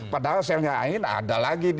padahal selnya ayin ada lagi